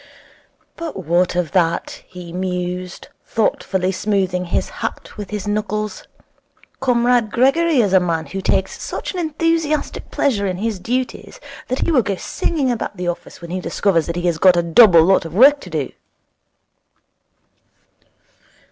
'But what of that?' he mused, thoughtfully smoothing his hat with his knuckles. 'Comrade Gregory is a man who takes such an enthusiastic pleasure in his duties that he will go singing about the office when he discovers that he has got a double lot of work to do.'